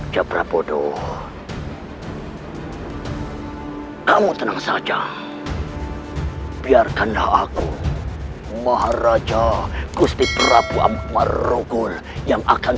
jabra bodoh kamu tenang saja biarkanlah aku maharaja gusti prabu amar rukul yang akan